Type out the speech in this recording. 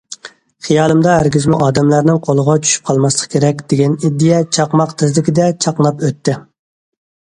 خىيالىمدا ھەرگىزمۇ ئادەملەرنىڭ قولىغا چۈشۈپ قالماسلىق كېرەك، دېگەن ئىدىيە چاقماق تېزلىكىدە چاقناپ ئۆتتى.